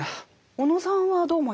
小野さんはどう思いますか？